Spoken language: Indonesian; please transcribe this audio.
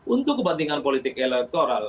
untuk kepentingan politik elektoral